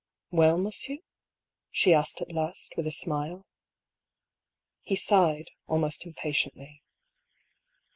"Well, monsieur?" she asked at last, with a smile. He sighed, almost impatiently.